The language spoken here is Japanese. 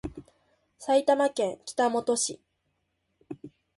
埼玉県北本市